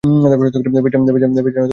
পেছনের লনে নিয়ে যা!